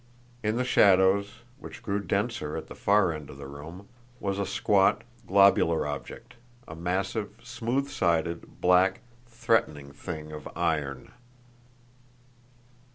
In the shadows, which grew denser at the far end of the room, was a squat, globular object, a massive, smooth sided, black, threatening thing of iron.